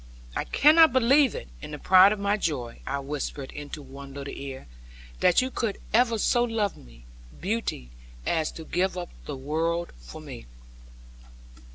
'I cannot believe,' in the pride of my joy, I whispered into one little ear, 'that you could ever so love me, beauty, as to give up the world for me.'